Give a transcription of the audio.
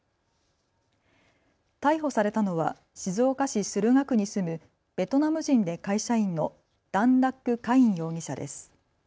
逮捕されたのは静岡市駿河区に住むベトナム人で会社員のダンダックカイン容疑者です。